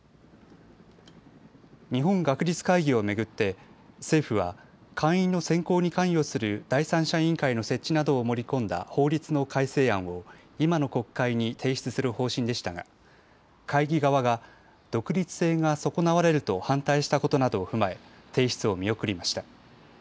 日本学術会議を巡って政府は会員の選考に関与する第三者委員会の設置などを盛り込んだ法律の改正案を今の国会に提出する方針でしたが会議側が独立性が損なわれると反対したことなどを踏まえ提出を見送りました。